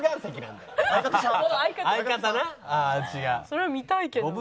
それは見たいけど。